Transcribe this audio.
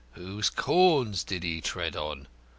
Whose corns did he tread on?